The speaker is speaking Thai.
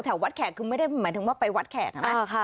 วัดแขกคือไม่ได้หมายถึงว่าไปวัดแขกนะ